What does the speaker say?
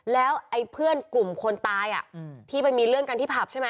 แล้วไอ้เพื่อนกลุ่มคนตายที่ไปมีเรื่องกันที่ผับใช่ไหม